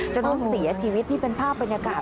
จนต้องเสียชีวิตนี่เป็นภาพบรรยากาศ